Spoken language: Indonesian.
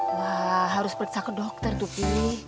wah harus periksa ke dokter tuh